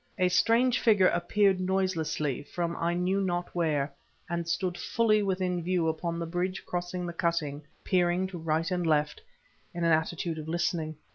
A strange figure appeared noiselessly, from I knew not where, and stood fully within view upon the bridge crossing the cutting, peering to right and left, in an attitude of listening.